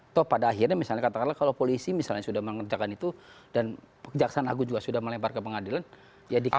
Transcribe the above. atau pada akhirnya misalnya katakanlah kalau polisi misalnya sudah mengerjakan itu dan kejaksaan agung juga sudah melempar ke pengadilan ya dikawa